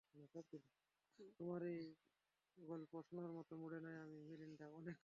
তোমার এই বালের গল্প শোনার মুডে নাই আমি মেলিন্ডা?